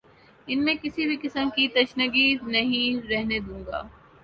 ان میں کسی بھی قسم کی تشنگی نہیں رہنے دوں گا